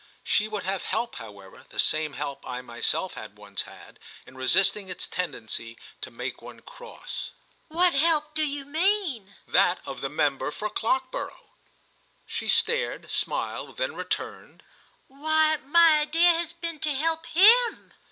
She would have help however, the same help I myself had once had, in resisting its tendency to make one cross. "What help do you mean?" "That of the member for Clockborough." She stared, smiled, then returned: "Why my idea has been to help him!"